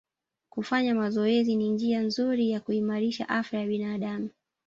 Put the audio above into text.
Kufanya mazoezi ni njia nzuri ya kuimarisha afya ya binadamu